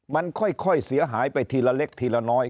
มันค่อยเสียหายไปทีละเล็กทีละน้อย